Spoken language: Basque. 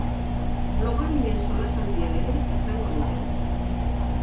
Blogarien solasaldia ere izango dute.